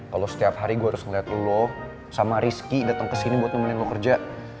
kalau setiap hari gue harus ngeliat lo sama rizky datang ke sini buat nemenin lo kerja